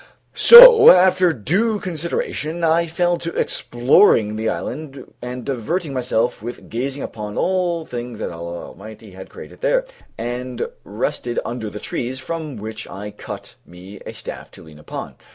So after due consideration I fell to exploring the island and diverting myself with gazing upon all things that Allah Almighty had created there; and rested under the trees, from one of which I cut me a staff to lean upon.